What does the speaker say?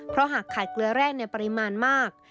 เพราะหากขาดเกลือแร่ในปริมาณมาก